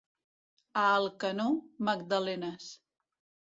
A Alcanó, magdalenes.